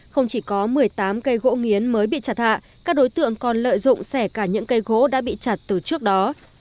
không chỉ có một mươi tám cây gỗ nghiến mới bị chặt hạ các đối tượng còn lợi dụng sẻ cả những cây gỗ đã bị chặt từ trước đó